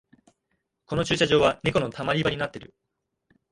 この駐車場はネコのたまり場になってる